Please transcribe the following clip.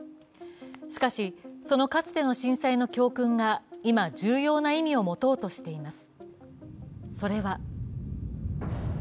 しかし、そのかつての震災の教訓が今、重要な意味を持とうとしています。